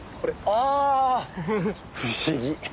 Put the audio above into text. あ不思議。